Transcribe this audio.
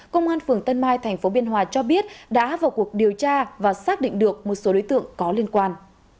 công an phường tân mai tp biên hòa cho biết đã vào cuộc điều tra và xác định được một số đối tượng có liên quan